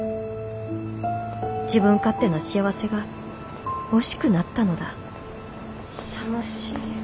自分勝手な幸せが惜しくなったのださもしい。